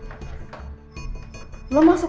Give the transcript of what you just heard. silahkan bu elsa masuk